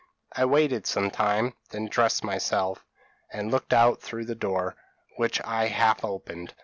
I waited some time, then dressed myself, and looked out through the door, which I half opened.